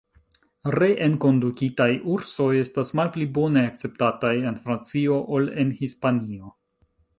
Reenkondukitaj ursoj estas malpli bone akceptataj en Francio ol en Hispanio.